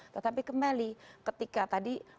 tetapi kembali ketika tadi